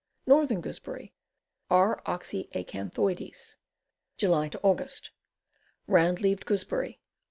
Northern Gooseberry. R. oxyacanthaides. July Aug. Round leaved Gooseberry.